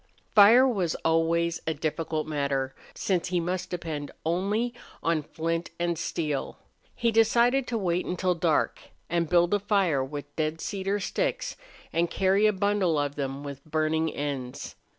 Fire was always a difficult matter, since he must depend only on flint and steel. He decided to wait till dark, build a fire with dead cedar sticks, and carry a bundle of them with burning ends.